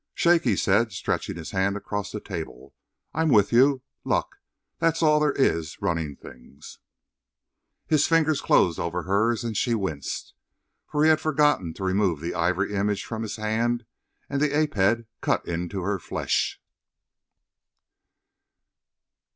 "Shake," he said, stretching his hand across the table, "I'm with you. Luck! That's all there is running things!" His fingers closed hard over hers and she winced, for he had forgotten to remove the ivory image from his hand, and the ape head cut into her flesh.